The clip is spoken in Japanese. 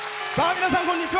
皆さん、こんにちは。